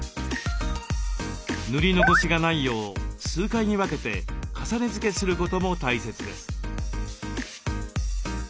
塗り残しがないよう数回に分けて重ね付けすることも大切です。